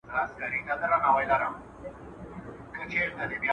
خپل مسووليتونه په سمه توګه ادا کړئ.